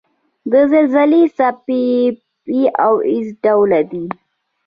د زلزلې څپې P او S ډوله دي.